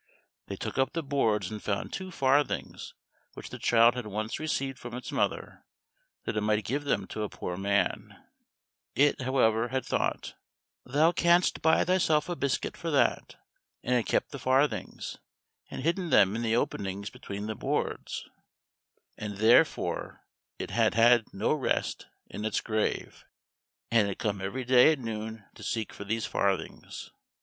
They took up the boards and found two farthings which the child had once received from its mother that it might give them to a poor man; it, however, had thought, "Thou canst buy thyself a biscuit for that," and had kept the farthings, and hidden them in the openings between the boards; and therefore it had had no rest in its grave, and had come every day at noon to seek for these farthings.